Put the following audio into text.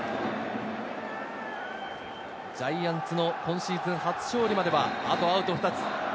ジャイアンツの今シーズン初勝利まではあとアウト２つ。